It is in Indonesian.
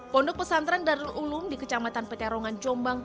pondok pesantren darul ulum di kecamatan peterongan jombang